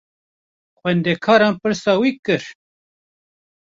Xwendekaran pirsa wî kir.